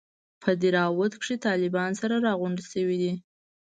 په دهراوت کښې طالبان سره راغونډ سوي دي.